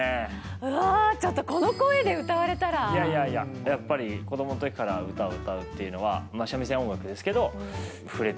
うわー、ちょっとこの声で歌いやいやいや、やっぱり子どものときから唄を歌うっていうのは、三味線音楽です